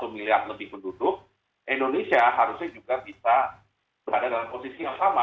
satu miliar lebih penduduk indonesia harusnya juga bisa berada dalam posisi yang sama